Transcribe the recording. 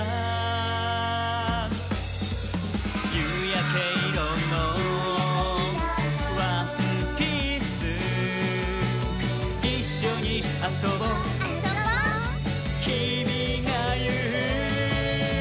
「ゆうやけいろのワンピース」「いっしょにあそぼ」「あそぼ」「きみがいう」